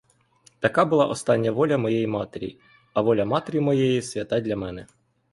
Така була остання воля моєї матері, а воля матері моєї свята для мене.